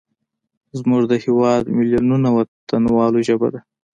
زموږ د هیواد میلیونونو وطنوالو ژبه ده.